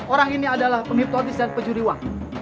orang ini adalah penghiptodis dan pencuri uang